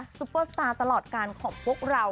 ซุปเปอร์สตาร์ตลอดการของพวกเรา